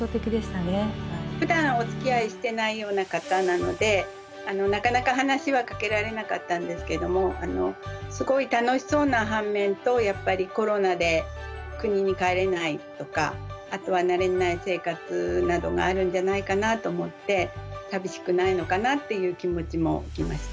ふだんおつきあいしてないような方なのでなかなか話はかけられなかったんですけどもすごい楽しそうな反面とやっぱりコロナで国に帰れないとかあとは慣れない生活などがあるんじゃないかなと思って寂しくないのかなっていう気持ちも起きました。